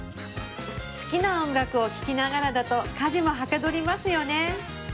好きな音楽を聴きながらだと家事もはかどりますよね